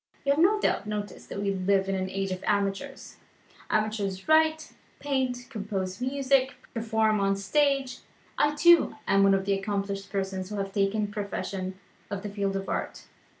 You have no doubt noticed that we live in an age of amateurs. Amateurs write, paint, compose music, perform on the stage. I, too, am one of the accomplished persons who have taken possession of the field of Art.